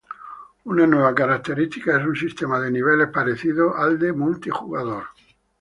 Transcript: Una nueva característica es un sistema de niveles parecido al de multijugador.